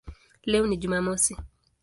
Leo ni Jumamosi".